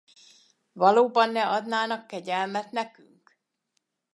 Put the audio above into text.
Valóban ne adnának kegyelmet nekünk?